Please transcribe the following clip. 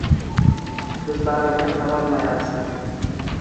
Kuzlarimga qarolmayabsan